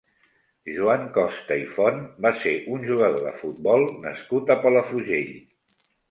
Joan Costa i Font va ser un jugador de futbol nascut a Palafrugell.